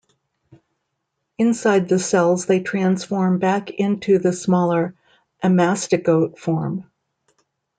Inside the cells they transform back into the smaller amastigote form.